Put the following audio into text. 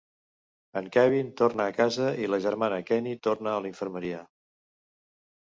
En Kevin torna a casa i la germana Kenny torna a la infermeria.